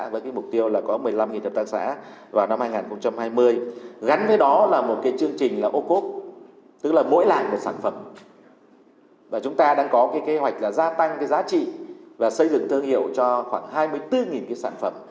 và chúng ta đang có kế hoạch là gia tăng giá trị và xây dựng thương hiệu cho khoảng hai mươi bốn sản phẩm